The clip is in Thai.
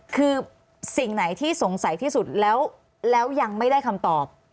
คือสิ่งไหนที่สงสัยที่สุดแล้วยังไม่ได้คำตอบ